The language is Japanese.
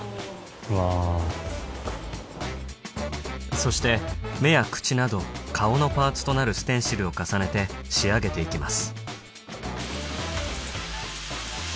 そして目や口など顔のパーツとなるステンシルを重ねて仕上げて行きます